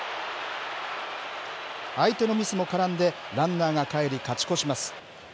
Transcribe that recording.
相手のミスも絡んで、ランナーがかえり、勝ち越します。